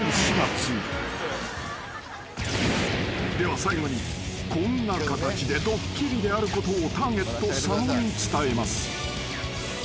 ［では最後にこんな形でドッキリであることをターゲット佐野に伝えます］